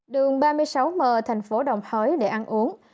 đường ba mươi sáu m thành phố đồng hới để ăn uống